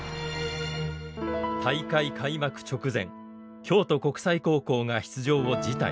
大会開幕直前京都国際高校が出場を辞退。